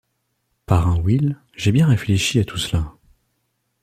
Parrain Will, j’ai bien réfléchi à tout cela.